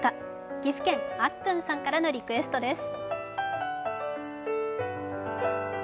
岐阜県・あっくんさんからのリクエストです。